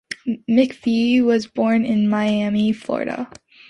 McPhee was born in Miami, Florida.